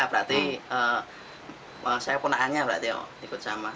berarti saya pernah hanya berarti oh ikut sama